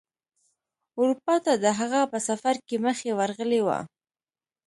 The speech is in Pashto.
اروپا ته د هغه په سفر کې مخې ورغلی و.